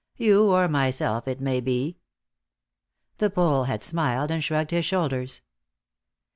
You, or myself, it may be." The Pole had smiled and shrugged his shoulders.